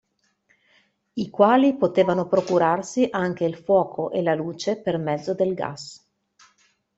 I quali potevano procurarsi anche il fuoco e la luce per mezzo del gas.